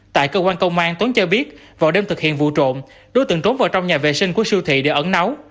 tại cơ quan công an tuấn cho biết vào đêm thực hiện vụ trộm đối tượng trốn vào trong nhà vệ sinh của siêu thị để ẩn nấu